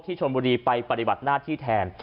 ที่ชนบุรีไปปริวัตินาทที่แทน